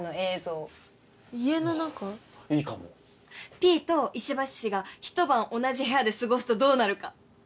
ピーと石橋氏がひと晩同じ部屋で過ごすとどうなるか？